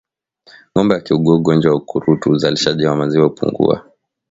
Ngombe akiugua ugonjwa wa ukurutu uzalishaji wa maziwa hupungua